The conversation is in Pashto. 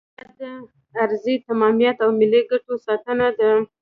دا د ارضي تمامیت او ملي ګټو ساتنه ده.